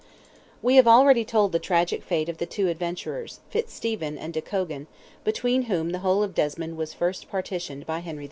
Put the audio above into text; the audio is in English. We have already told the tragic fate of the two adventurers—Fitzstephen and de Cogan—between whom the whole of Desmond was first partitioned by Henry II.